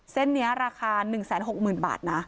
เส้นนี้ราคา๑๖๐๐๐บาทนะ